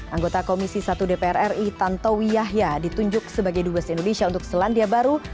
anggota komisi satu dpr ri tantowi yahya ditunjuk sebagai dubes indonesia untuk selandia baru